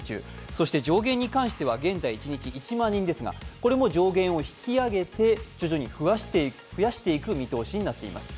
そして上限に関しては現在、一日１万人ですがこれも上限を引き上げて徐々に増やしていく見通しになっています。